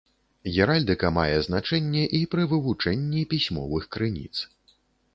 Геральдыка мае значэнне і пры вывучэнні пісьмовых крыніц.